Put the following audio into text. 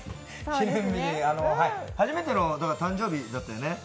記念日に、初めての誕生日だったよね。